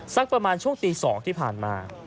สักประมาณช่วงตี๒ที่ผ่านมา